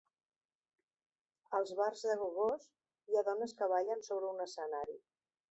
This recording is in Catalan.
Als bars de "gogós" hi ha dones que ballen sobre un escenari.